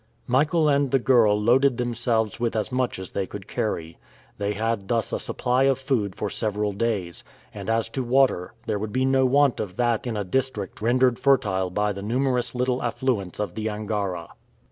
Michael and the girl loaded themselves with as much as they could carry. They had thus a supply of food for several days, and as to water, there would be no want of that in a district rendered fertile by the numerous little affluents of the Angara.